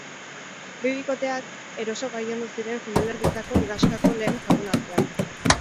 Bi bikoteak eroso gailendu ziren finalerdietako ligaxkako lehen jardunaldian.